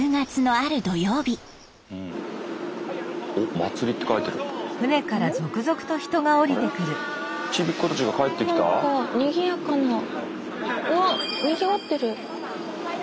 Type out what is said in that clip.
あにぎわってる。